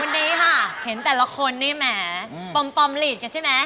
นี่ค่ะเห็นแต่ละคนนี่แหมปลอมหลีดกันใช่มั้ย